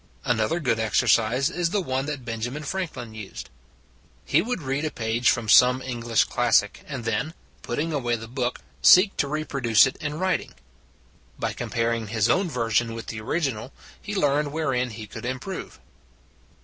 Another good exercise is the one that Benjamin Franklin used. He would read a page from some English classic, and then, putting away the book, seek to reproduce it 214 It s a Good Old World in writing. By comparing his own version with the original, he learned wherein he could improve.